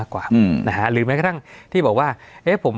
สวัสดีครับทุกผู้ชม